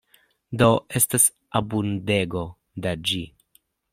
Do, estas abundego da ĝi.